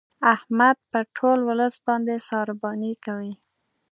احمد په ټول ولس باندې سارباني کوي.